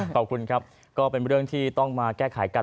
ขอบคุณครับก็เป็นเรื่องที่ต้องมาแก้ไขกัน